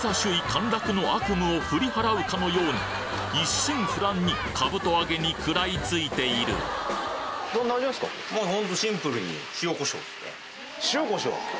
陥落の悪夢を振り払うかのように一心不乱にかぶと揚げに食らいついている塩コショウ？